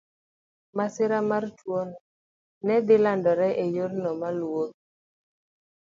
Masira mar tuwono ne dhi landore e yore maluwogi.